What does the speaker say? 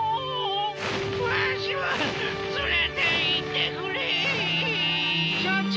わしも連れていってくれ！社長！